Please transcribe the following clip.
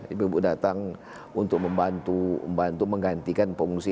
ibu ibu datang untuk membantu membantu menggantikan fungsi